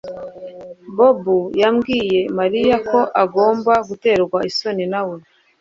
Bobo yabwiye Mariya ko agomba guterwa isoni na we